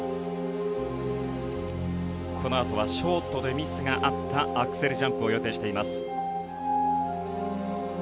このあとはショートでミスがあったアクセルジャンプを予定しています。